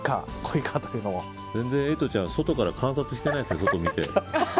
全然エイトちゃん外から観察してないですよ。